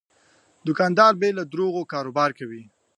دوکاندار بې له دروغو کاروبار کوي.